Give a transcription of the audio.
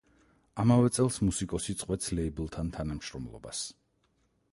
ამავე წელს მუსიკოსი წყვეტს ლეიბლთან თანამშრომლობას.